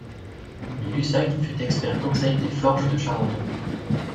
Gay-Lussac fut expert-conseil des Forges de Charenton.